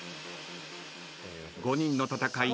５人の戦い